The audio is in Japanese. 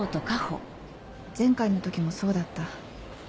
前回の時もそうだった